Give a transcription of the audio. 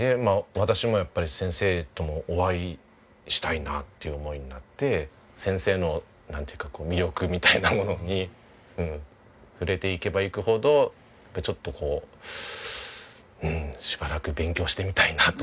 私もやっぱり先生ともお会いしたいなっていう思いになって先生のなんというか魅力みたいなものに触れていけばいくほどちょっとこうしばらく勉強してみたいなと。